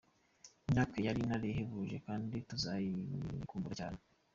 "Nyack yari intare ihebuje kandi tuzayikumbura cyane.